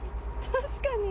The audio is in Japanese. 確かに。